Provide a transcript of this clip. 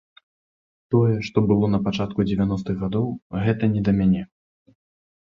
Тое, што было напачатку дзевяностых гадоў, гэта не да мяне.